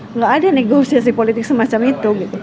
tidak ada negosiasi politik semacam itu